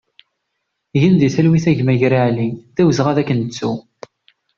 Gen di talwit a gma Agri Ali, d awezɣi ad k-nettu!